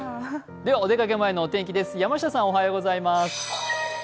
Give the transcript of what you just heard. お出かけ前のお天気です。